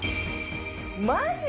マジ！？